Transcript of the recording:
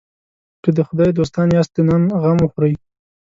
که د خدای دوستان یاست د نن غم وخورئ.